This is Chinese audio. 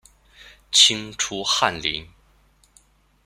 清初翰林。